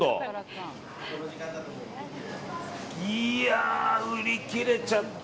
いやー、売り切れちゃった。